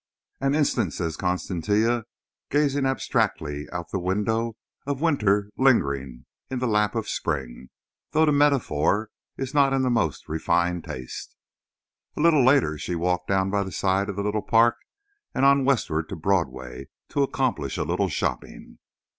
"An instance," said Constantia, gazing abstractedly out the window, "of 'winter lingering in the lap of spring,' though the metaphor is not in the most refined taste." A little later she walked down by the side of the little park and on westward to Broadway to accomplish a little shopping.